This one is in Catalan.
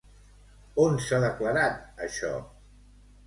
On s'ha declarat això?